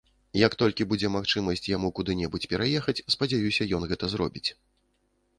Як толькі будзе магчымасць яму куды-небудзь пераехаць, спадзяюся, ён гэта зробіць.